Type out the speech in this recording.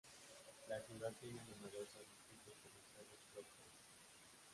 La ciudad tiene numerosas distritos comerciales prósperos.